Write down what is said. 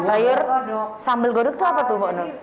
sayur sambal godok tuh apa tuh mpok nur